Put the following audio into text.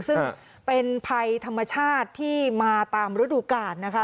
ซึ่งเป็นภัยธรรมชาติที่มาตามฤดูกาลนะคะ